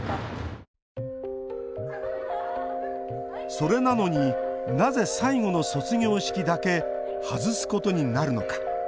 それなのになぜ、最後の卒業式だけ外すことになるのか。